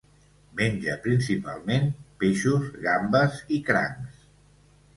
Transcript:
Menja principalment peixos, gambes i crancs.